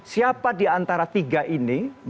siapa di antara tiga ini bagi kepentingan